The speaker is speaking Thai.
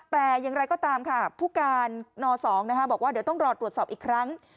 แต่อย่างไรก็ตามค่ะผู้การน๒บอกว่าเดี๋ยวต้องรอตรวจสอบอีกครั้ง